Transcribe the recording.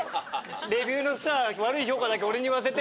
レビューのさ悪い評価だけ俺に言わせて。